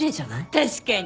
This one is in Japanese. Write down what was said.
確かに。